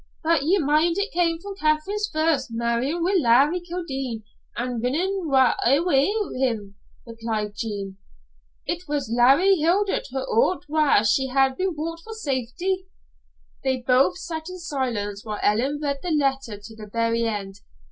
"But ye mind it came from Katherine first, marryin' wi' Larry Kildene an' rinnin' awa' wi' him," replied Jean. "It was Larry huntit her oot whaur she had been brought for safety." They both sat in silence while Ellen read the letter to the very end.